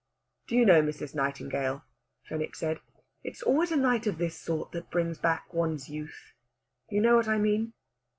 "Do you know, Mrs. Nightingale," Fenwick said, "it's always a night of this sort that brings back one's youth? You know what I mean?"